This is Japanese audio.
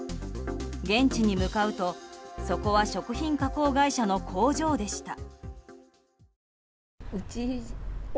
現地に向かうとそこは食品加工会社の工場でした。